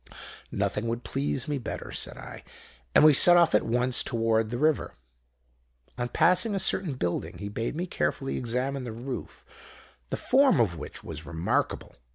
"'Nothing would please me better,' said I; and we set off at once toward the river. "On passing a certain building he bade me carefully examine the roof, the form of which was remarkable.